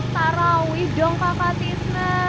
taraweh dong pakatis